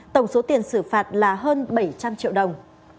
tổng số tiền xử phạt là hơn bảy trăm linh triệu đồng